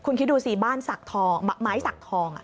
คุณคิดดูสิบ้านสักทองไม้สักทอง